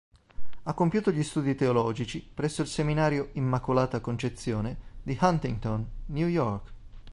Ha compiuto gli studi teologici presso il seminario "Immacolata Concezione" di Huntington, New York.